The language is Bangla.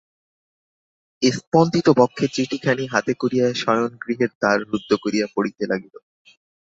স্পন্দিতবক্ষে চিঠিখানি হাতে করিয়া শয়নগৃহের দ্বার রুদ্ধ করিয়া পড়িতে লাগিল।